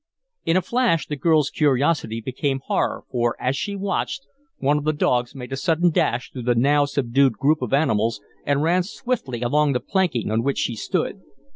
In a flash the girl's curiosity became horror, for, as she watched, one of the dogs made a sudden dash through the now subdued group of animals and ran swiftly along the planking on which she stood.